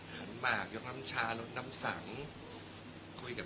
ซึ่งกำลังคุยกับทั้งทีมที่มาช่วยอยู่ครับ